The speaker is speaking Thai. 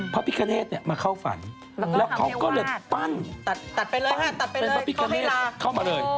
พระพิคเนธมาเข้าฝันแล้วเขาก็เลยปั้นเป็นพระพิกเนธเข้ามาเลย